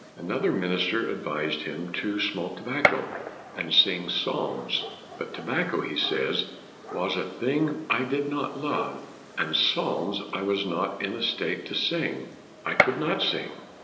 Another minister advised him to smoke FOX 285 tobacco and sing psalms; but "tobacco," he says, " was a thing I did not love, and psalms I was not in a state to sing: I could not sing."